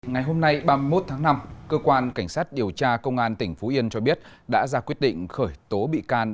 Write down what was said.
ngày hôm nay ba mươi một tháng năm cơ quan cảnh sát điều tra công an tỉnh phú yên cho biết đã ra quyết định khởi tố bị can